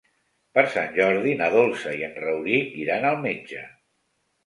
Per Sant Jordi na Dolça i en Rauric iran al metge.